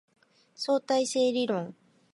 相対性理論